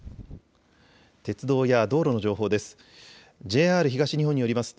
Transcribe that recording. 鉄道や道路の情報です。